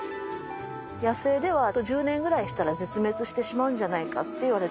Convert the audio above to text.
野生ではあと１０年ぐらいしたら絶滅してしまうんじゃないかっていわれてる。